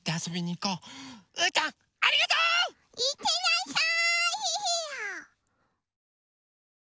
いってらっしゃい！